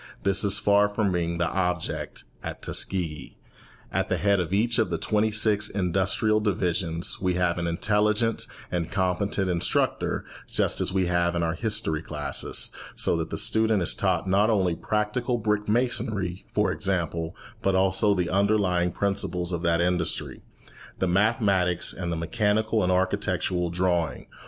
This is far from being the object at Tuskegee. At the head of each of the twenty six industrial divisions we have an intelligent and competent instructor, just as we have in our history classes, so that the student is taught not only practical brick masonry, for example, but also the underlying principles of that industry, the mathematics and the mechanical and architectural drawing.